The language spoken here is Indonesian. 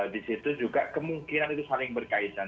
di situ juga kemungkinan itu saling berkaitan